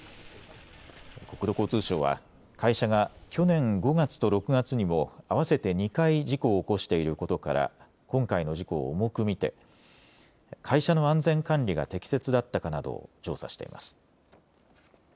国土交通省は会社が去年５月と６月にも合わせて２回事故を起こしていることから今回の事故を重く見て会社の安全管理が適切だったかなどを調査しています。